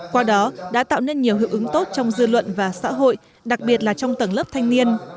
qua đó đã tạo nên nhiều hữu ứng tốt trong dư luận và xã hội đặc biệt là trong tầng lớp thanh niên